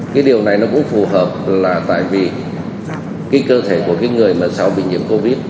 cái điều này nó cũng phù hợp là tại vì cái cơ thể của cái người mà sau bị nhiễm covid